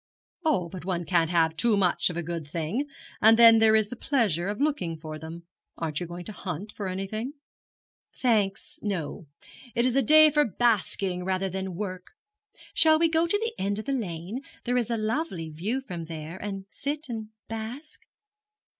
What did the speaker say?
'Oh, but one can't have too much of a good thing; and then there is the pleasure of looking for them. Aren't you going to hunt for anything?' 'Thanks, no. It is a day for basking rather than work. Shall we go to the end of the lane there is a lovely view from there and sit and bask?'